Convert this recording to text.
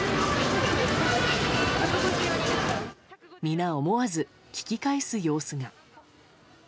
皆、思わず聞き返す様子が。